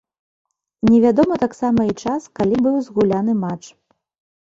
Невядома таксама і час, калі быў згуляны матч.